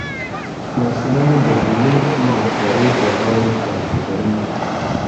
ماشومان د ښوونکي مشورې په غور تعقیبوي